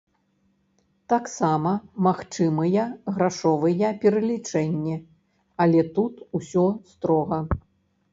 Таксама магчымыя грашовыя пералічэнні, але тут усё строга.